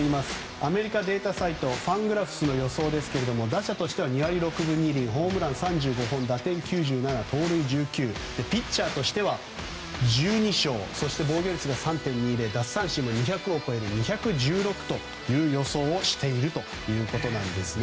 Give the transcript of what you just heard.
アメリカデータサイトファングラフスの予想ですが打者としては２割６分２厘ホームラン３５打点９７、盗塁１９ピッチャーとしては１２勝そして防御率が３．２０奪三振は２００を超える２１６という予想をしているということです。